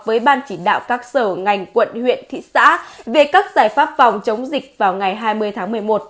với ban chỉ đạo các sở ngành quận huyện thị xã về các giải pháp phòng chống dịch vào ngày hai mươi tháng một mươi một